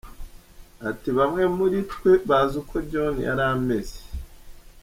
Ati “Bamwe muri twe bazi uko John yari ameze.